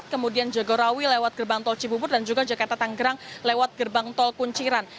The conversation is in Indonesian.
kemudian jagorawi lewat gerbang tol cibubur dan juga jakarta tanggerang lewat gerbang tol kunciran